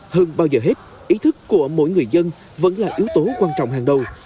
hơn bao giờ hết ý thức của mỗi người dân vẫn là yếu tố quan trọng hàng đầu